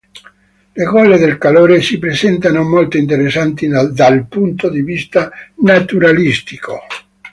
Le Gole del Calore si presentano molto interessanti dal punto di vista naturalistico.